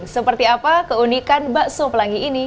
seperti apa keunikan bakso pelangi ini